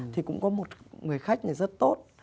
thì cũng có một người khách này rất tốt